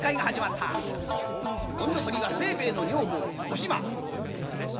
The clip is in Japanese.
音頭取りは清兵衛の女房おしま。